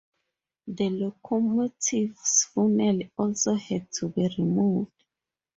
The locomotive's funnel also had to be removed.